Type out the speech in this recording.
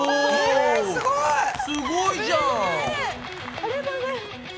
ありがとうございます。